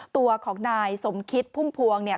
ตัวของนายสมคิดพุ่มพวงเนี่ย